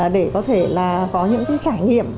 để có thể là có những cái trải nghiệm